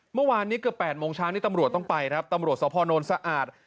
เมื่อวานนี้เกือบ๘โมงช้างที่ตำรวจต้องไปตำรวจสะพานนท์สะอาด